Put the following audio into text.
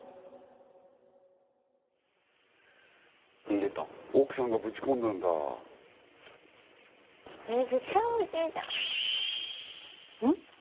入れた奥さんがぶち込んだんだえ